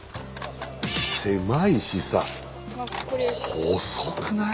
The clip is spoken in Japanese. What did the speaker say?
狭いしさ細くない？